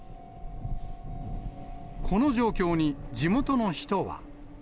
この状況に、地元の人は。